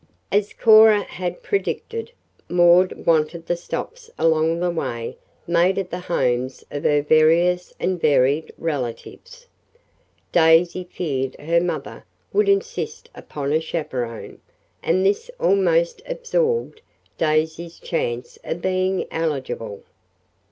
As Cora had predicted, Maud wanted the stops along the way made at the homes of her various and varied relatives. Daisy feared her mother would insist upon a chaperone, and this almost absorbed Daisy's chance of being eligible.